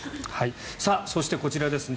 そして、こちらですね。